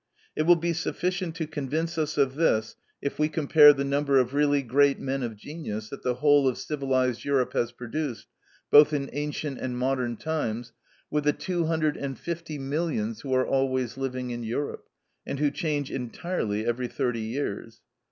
It will be sufficient to convince us of this if we compare the number of really great men of genius that the whole of civilised Europe has produced, both in ancient and modern times, with the two hundred and fifty millions who are always living in Europe, and who change entirely every thirty years.